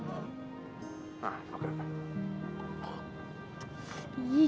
ih jorok banget sih